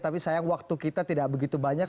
tapi sayang waktu kita tidak begitu banyak